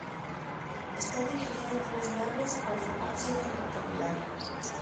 Está dividida en tres naves con su ábside rectangular.